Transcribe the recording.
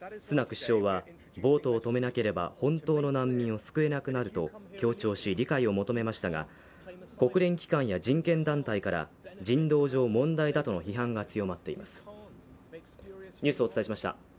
首相はボートを止めなければ本当の難民を救えなくなると強調し理解を求めましたが国連機関や人権団体から人道上問題だとの批判が強まっています。